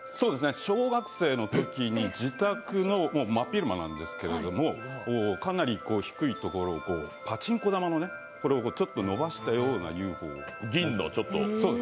小学生のときに自宅の、真っ昼間なんですけどもかなり低いところをパチンコ玉をちょっと伸ばしたようなＵＦＯ、銀の。